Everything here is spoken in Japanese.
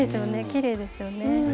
きれいですよね。